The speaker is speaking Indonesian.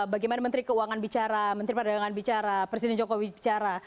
bagaimana menteri keuangan bicara menteri perdagangan bicara presiden jokowi bicara